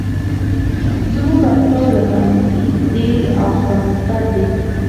زموږ افکار که منفي دي او که مثبت دي.